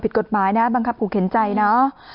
ผิดกฎหมายนะบังคับขู่เข็นใจเนาะ